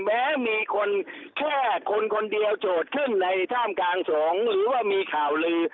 แม้มีคนแค่คนคนเดียวโจทย์ขึ้นในท่ามกลางสงฆ์หรือว่ามีข่าวลือ